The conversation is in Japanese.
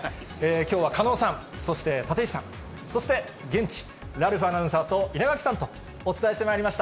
きょうは狩野さん、そして立石さん、そして現地、ラルフアナウンサーと稲垣さんとお伝えしてまいりました。